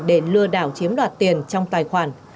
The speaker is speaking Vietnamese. để lừa đảo chiếm đoạt tiền trong tài khoản